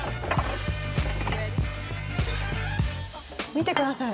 見てください。